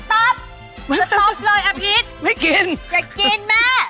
สต๊อบเลยอ่ะพีชอย่ากินแม่ไม่กิน